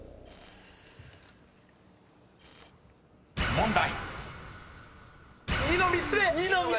［問題］